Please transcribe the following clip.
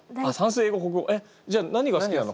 えっじゃあ何が好きなの？